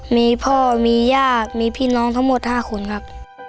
มีพ่อมีย่ามีพี่น้องทั้งหมด๕คนครับ